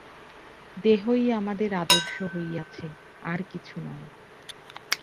দেহই আমাদের আদর্শ হইয়াছে, আর কিছু নয়।